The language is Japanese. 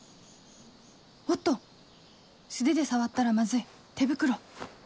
おっと素手で触ったらマズい手袋